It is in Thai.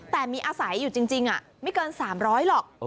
แต่มีอาศัยอยู่จริงไม่เกิน๓๐๐หรอก